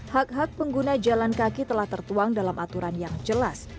hak hak pengguna jalan kaki telah tertuang dalam aturan yang jelas